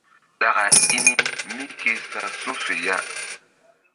Ɗaka i ni mí ke sa su̧ fe ya.